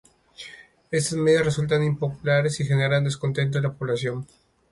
Estas medidas resultan impopulares y generan descontento en la población.